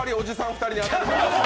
２人に当たりました。